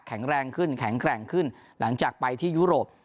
แรงขึ้นแข็งแกร่งขึ้นหลังจากไปที่ยุโรป